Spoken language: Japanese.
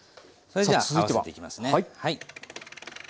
それじゃ合わせていきますね。